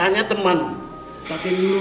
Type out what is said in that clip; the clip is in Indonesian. apa kamu gak tau tuh